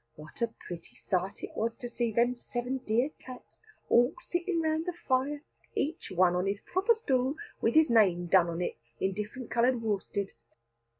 What a pretty sight it was to see them seven dear cats, all sitting round the fire, each one on his proper stool with his name done on it in different coloured worsted.